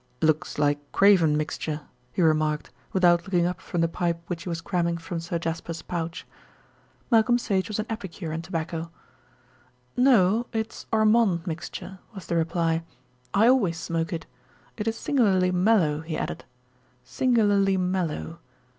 "Looks like Craven Mixture," he remarked without looking up from the pipe which he was cramming from Sir Jasper's pouch. Malcolm Sage was an epicure in tobacco. "No; it's Ormonde Mixture," was the reply. "I always smoke it. It is singularly mellow," he added, "singularly mellow."